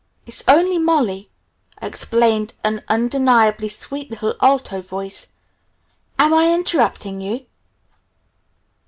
"It's only Molly," explained an undeniably sweet little alto voice. "Am I interrupting you?"